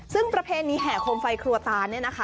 ซึ่งประเพณีแห่โคมไฟครัวตานเนี่ยนะคะ